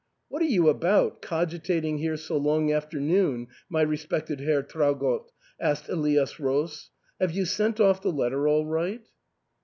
" What are you about, cogitating here so long after noon, my respected Herr Traugott ?" asked Elias Roos ;" have you sent off the letter all right